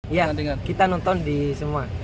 iya dengar kita nonton di semua